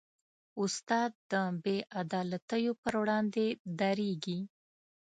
استاد د بېعدالتیو پر وړاندې دریږي.